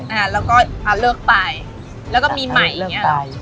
แล้วก็เลิกไปแล้วก็มีใหม่